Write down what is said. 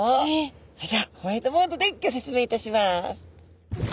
それではホワイトボードでギョ説明いたします！